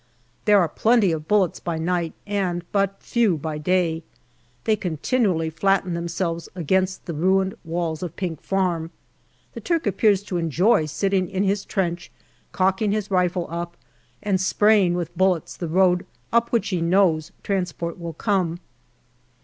There are plenty of bullets by night, and but few by day. They continually flatten themselves against the ruined walls of Pink Farm. The Turk appears to enjoy sitting in his trench, cocking his rifle up, and spray ing with bullets the road up which he knows transport will come.